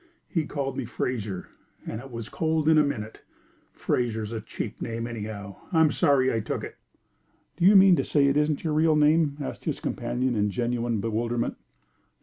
He called me Fraser, and it was cold in a minute. Fraser is a cheap name, anyhow; I'm sorry I took it." "Do you mean to say it isn't your real name?" asked his companion, in genuine bewilderment.